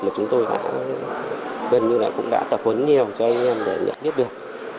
mà chúng tôi đã gần như là cũng đã tập huấn nhiều cho anh em để nhận biết được